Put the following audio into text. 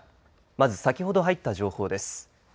まず先ほど入った情報です。